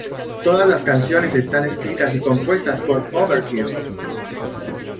Todas las canciones están escritas y compuestas por Overkill.